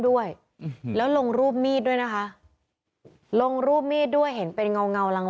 ด้วยแล้วลงรูปมีดด้วยนะคะลงรูปมีดด้วยเห็นเป็นเงาหลัง